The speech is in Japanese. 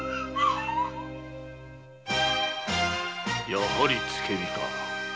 やはり「つけ火」か。